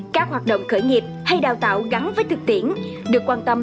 các hoạt động khởi nghiệp hay đào tạo gắn với thực tiễn được quan tâm